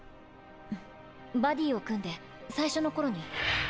んバディを組んで最初の頃に。